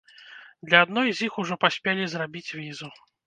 Для адной з іх ужо паспелі зрабіць візу.